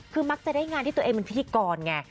คือมักจะได้งานที่ตัวเองเป็นพิธีกรไง